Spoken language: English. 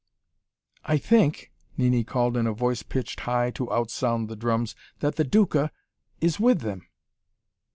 "I think," Nini called in a voice pitched high to outsound the drums, "that the the Duca is with them!"